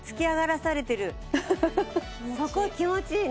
そこ気持ちいいね。